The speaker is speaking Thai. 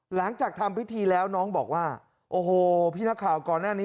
หลังจากทำพิธีแล้วน้องบอกว่าโอ้โหพี่นักข่าวก่อนหน้านี้